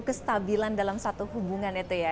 kestabilan dalam satu hubungan itu ya